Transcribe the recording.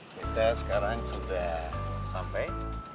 kita sekarang sudah sampai